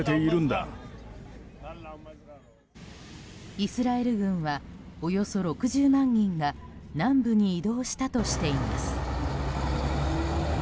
イスラエル軍はおよそ６０万人が南部に移動したとしています。